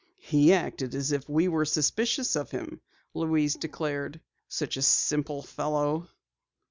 "He acted as if we were suspicious of him," Louise declared. "Such a simple fellow!"